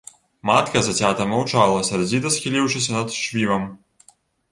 Матка зацята маўчала, сярдзіта схіліўшыся над швівам.